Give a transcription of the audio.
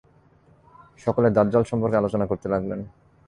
সকলে দাজ্জাল সম্পর্কে আলোচনা করতে লাগলেন।